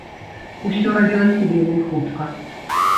Усё рабілася вельмі хутка.